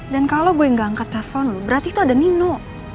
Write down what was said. dan kalo gue gak angkat telepon lo berarti itu ada nino